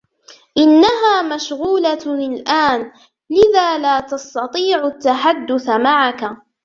إنها مشغولة الآن, لذا لا تستطيع التحدث معك.